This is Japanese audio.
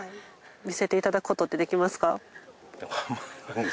見せていただくことってできますか？